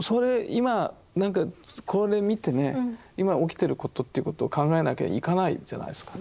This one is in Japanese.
今何かこれ見てね今起きてることということを考えなきゃいかないじゃないですか。